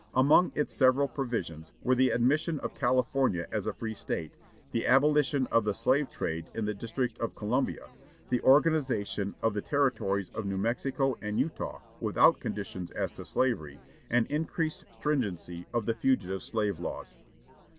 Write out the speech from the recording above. Among its several provisions were the admission of California as a free State, the abolition of the slave trade in the District of Columbia, the organization of the Territories of New Mexico and Utah without conditions as to slavery, and increased stringency of the Fugitive Slave Laws.